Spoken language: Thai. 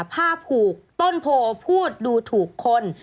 ผ้าผูกต้นโพพูดดูถูกคน